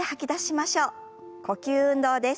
呼吸運動です。